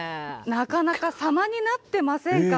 なかなかさまになってませんか？